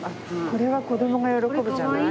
これは子供が喜ぶじゃない。